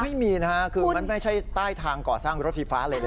ไม่มีนะฮะคือมันไม่ใช่ใต้ทางก่อสร้างรถไฟฟ้าอะไรเลย